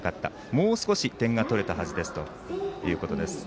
もう少し点が取れたはずですということです。